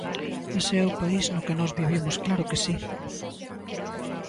Ese é o país no que nós vivimos, ¡claro que si!